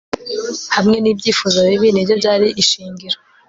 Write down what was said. hamwe ni byifuzo bibi ni byo byari ishingiro